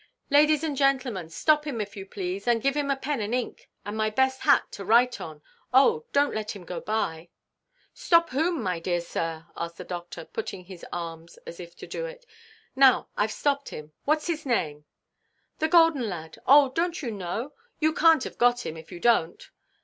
"Ladies and gentlemen, stop him if you please, and give him a pen and ink, and my best hat to write on. Oh, donʼt let him go by." "Stop whom, my dear sir?" asked the doctor, putting out his arms as if to do it. "Now Iʼve stopped him. Whatʼs his name?" "The golden lad. Oh, donʼt you know? You canʼt have got him, if you donʼt.